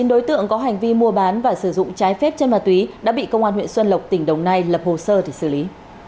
chín đối tượng có hành vi mua bán và sử dụng trái phép chân ma túy đã bị công an huyện xuân lộc tỉnh đồng nai lập hồ sơ để xử lý